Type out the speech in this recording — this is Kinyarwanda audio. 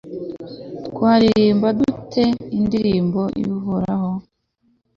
twaririmba dute indirimbo y'uhoraho